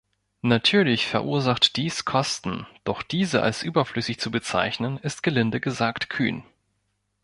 Natürlich verursacht dies Kosten, doch diese als überflüssig zu bezeichnen, ist gelinde gesagt kühn.